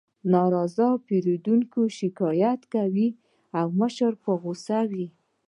ناراضه پیرودونکي شکایت کوي او مشر په غوسه وي